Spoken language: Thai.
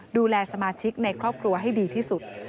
ดูแลสมาชิกในครอบครัวให้ดีที่สุด